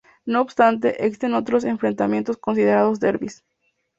No obstante, existen otros enfrentamientos considerados derbis.